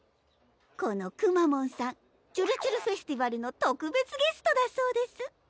このくまモンさん「ちゅるちゅる☆フェスティバル」の特別ゲストだそうです